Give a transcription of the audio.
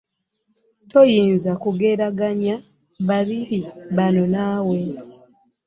Toyinza kugeeraganya babiri bano naawe.